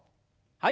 はい。